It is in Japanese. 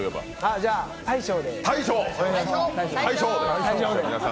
じゃあ、大昇で。